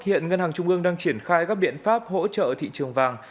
hiện ngân hàng trung ương đang triển khai các biện pháp hỗ trợ thị trường vàng